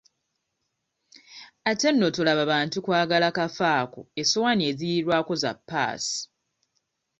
Ate nno tolaba bantu kwagala kafo ako essowaani eziriirwako za ppaasi.